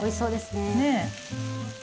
ねえ。